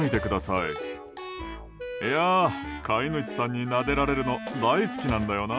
いやー、飼い主さんになでられるの大好きなんだよな。